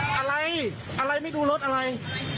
เฮ้ยอะไรไม่รู้รถอะไร